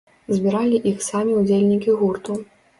Збіралі іх самі ўдзельнікі гурту.